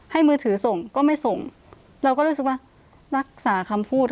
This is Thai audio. มือถือส่งก็ไม่ส่งเราก็รู้สึกว่ารักษาคำพูด